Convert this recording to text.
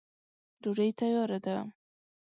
ډوډی تیاره ده.